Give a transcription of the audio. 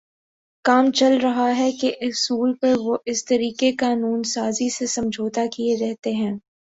کام چل رہا ہے کے اصول پر وہ اس طریقِ قانون سازی سے سمجھوتاکیے رہتے ہیں